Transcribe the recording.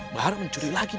bahar mencuri lagi